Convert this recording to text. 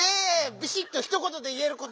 ビシッとひとことでいえることば！